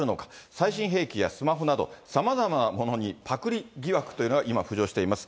最新兵器やスマホなど、さまざまなものにパクリ疑惑というのが今浮上しています。